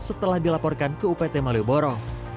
setelah dilaporkan ke upt malioboro